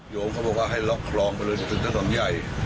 โยมเขาบอกว่าให้ล็อกคลองไปเลยขึ้นทางร่องไย